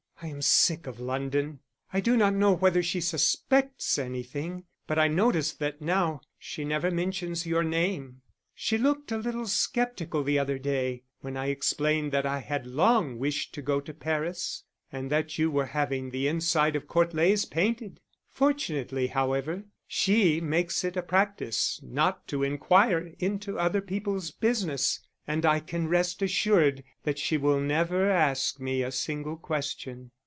I am sick of London. I do not know whether she suspects anything, but I notice that now she never mentions your name. She looked a little sceptical the other day when I explained that I had long wished to go to Paris, and that you were having the inside of Court Leys painted. Fortunately, however, she makes it a practice not to inquire into other people's business, and I can rest assured that she will never ask me a single question.